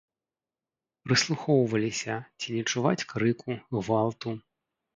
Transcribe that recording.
Прыслухоўваліся, ці не чуваць крыку, гвалту.